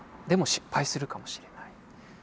でも失敗するかもしれない。